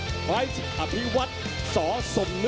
สวัสดีทุกคน